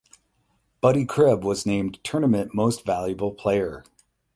Buddy Cribb was named Tournament Most Valuable Player.